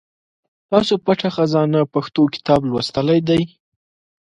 تاسو پټه خزانه پښتو کتاب لوستی دی ؟